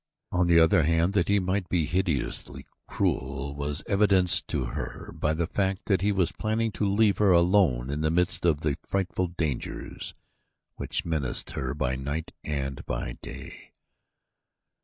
On the other hand, that he might be hideously cruel was evidenced to her by the fact that he was planning to leave her alone in the midst of the frightful dangers which menaced her by night and by day.